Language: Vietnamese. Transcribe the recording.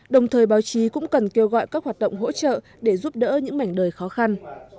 đồng thời báo chí cũng cần kêu gọi các hoạt động hỗ trợ để giúp đỡ những mảnh đời khó khăn